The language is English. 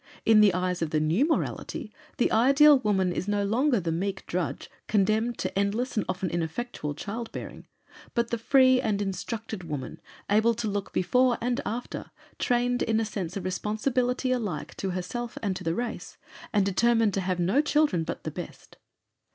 In the eyes of the new morality the ideal woman is no longer the meek drudge condemned to endless and often ineffectual child bearing, but the free and instructed woman, able to look before and after, trained in a sense of responsibility alike to herself and to the race, and determined to have no children but the best.